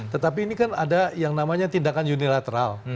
tetapi ini kan ada yang namanya tindakan unilateral